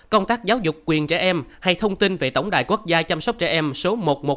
công tác giáo dục quyền trẻ em hay thông tin về tổng đài quốc gia chăm sóc trẻ em số một trăm một mươi một